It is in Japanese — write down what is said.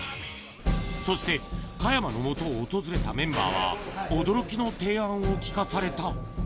そして加山のもとを訪れたメンバーは、驚きの提案を聞かされた。